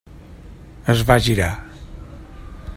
Es va girar.